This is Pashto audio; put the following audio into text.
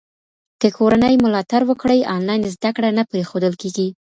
که کورنۍ ملاتړ وکړي، انلاین زده کړه نه پرېښودل کېږي.